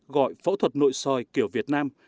gọi phẫu thuật nội soi kiểu việt nam